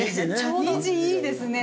いいですね。